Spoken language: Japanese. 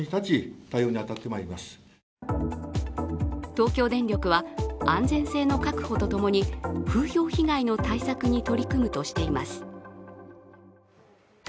東京電力は安全性の確保とともに風評被害の対策に取り組むとしています。